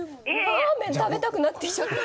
ラーメン食べたくなってきちゃった。